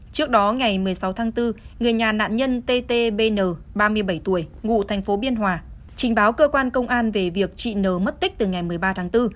trước đó ngày một mươi sáu tháng bốn người nhà nạn nhân t t b n ba mươi bảy tuổi ngụ thành phố biên hòa trình báo cơ quan công an về việc trị nở mất tích từ ngày một mươi ba tháng bốn